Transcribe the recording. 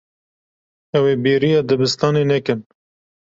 Ew ê bêriya dibistanê nekin.